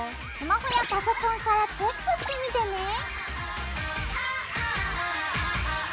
スマホやパソコンからチェックしてみてね。